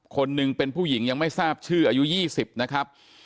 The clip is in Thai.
คนหนึ่งเป็นผู้หญิงยังไม่ทราบชื่ออายุ๒๐นะครับ